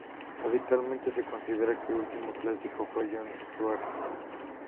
Habitualmente se considera que el último clásico fue John Stuart Mill.